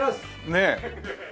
ねえ。